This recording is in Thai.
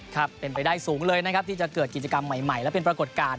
ครับเป็นไปได้สูงเลยนะครับที่จะเกิดกิจกรรมใหม่และเป็นปรากฏการณ์